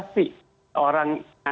kemudian berapa sih orang yang berada di luar